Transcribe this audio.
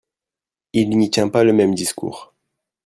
Il n’y tient pas le même discours.